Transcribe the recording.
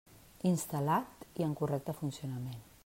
Instal·lat i en correcte funcionament.